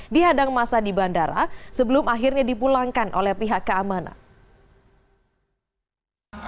dihadang masa di bandara sebelum akhirnya dipulangkan oleh pihak keamanan